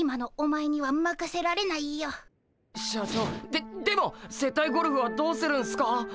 ででも接待ゴルフはどうするんすか？